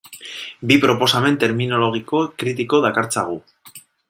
Bi proposamen terminologiko kritiko dakartzagu.